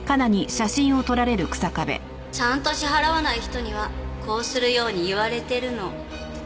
ちゃんと支払わない人にはこうするように言われてるの。